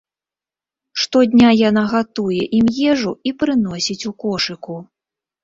Штодня яна гатуе ім ежу і прыносіць ў кошыку.